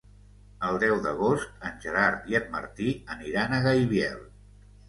El deu d'agost en Gerard i en Martí aniran a Gaibiel.